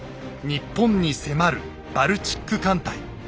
日本に迫るバルチック艦隊。